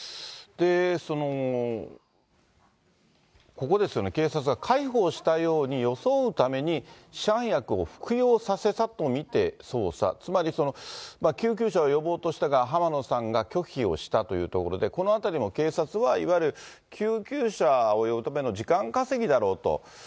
そのここですよね、警察が介抱したように装うために、市販薬を服用させたと見て捜査、つまり救急車を呼ぼうとしたが、浜野さんが拒否をしたというところで、このあたりも警察は、いわゆる救急車を呼ぶための時間稼ぎだろうと。